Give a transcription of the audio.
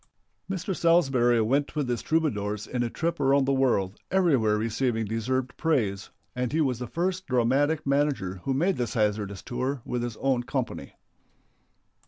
Mr. Salsbury went with his Troubadours in a trip around the world, everywhere receiving deserved praise, and he was the first dramatic manager who made this hazardous tour with his own company.